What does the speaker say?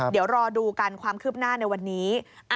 เดี๋ยวรอดูกันความคืบหน้าในวันนี้